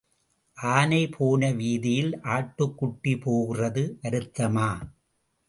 ஆனை போன வீதியிலே ஆட்டுக்குட்டி போகிறது வருத்தமா?